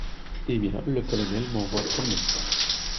Eh bien, le colonel m’envoie promener…